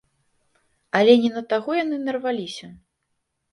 Але не на таго яны нарваліся.